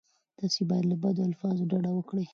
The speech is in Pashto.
تاسې باید له بدو الفاظو ډډه وکړئ.